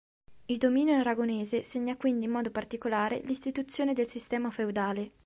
Il dominio aragonese segna quindi in modo particolare l'istituzione del sistema feudale.